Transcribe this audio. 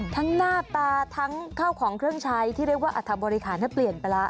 หน้าตาทั้งข้าวของเครื่องใช้ที่เรียกว่าอัธบริหารเปลี่ยนไปแล้ว